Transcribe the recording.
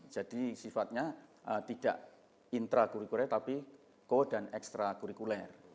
jadi sifatnya tidak intra kurikuler tapi co dan ekstra kurikuler